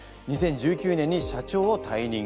２０１９年に社長を退任。